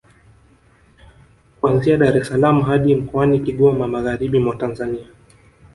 Kuanzia Dar es salaam hadi mkoani Kigoma magharibi mwa Tanzania